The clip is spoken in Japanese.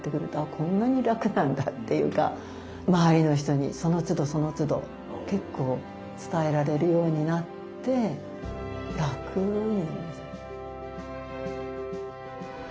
こんなに楽なんだっていうか周りの人にそのつどそのつど結構伝えられるようになって楽に。